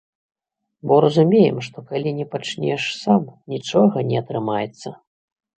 Бо разумеем, што калі не пачнеш сам, нічога не атрымаецца!